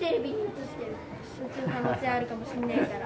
映る可能性あるかもしんないから。